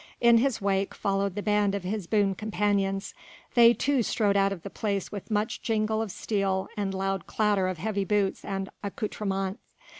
In his wake followed the band of his boon companions, they too strode out of the place with much jingle of steel and loud clatter of heavy boots and accoutrements.